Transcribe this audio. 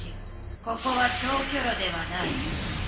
ここは消去炉ではない。